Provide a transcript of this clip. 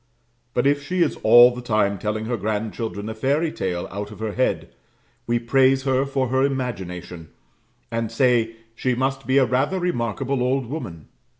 But if she is all the time telling her grandchildren a fairy tale out of her head, we praise her for her imagination, and say, she must be a rather remarkable old woman.